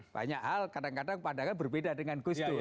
banyak hal kadang kadang pandangannya berbeda dengan gusole